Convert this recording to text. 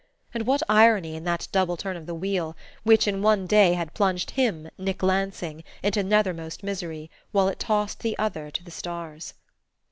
And what irony in that double turn of the wheel which, in one day, had plunged him, Nick Lansing, into nethermost misery, while it tossed the other to the stars!